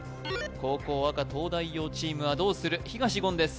後攻赤東大王チームはどうする東言です